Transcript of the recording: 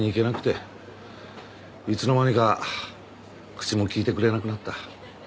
いつの間にか口も利いてくれなくなった。